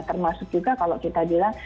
termasuk juga kalau kita bilang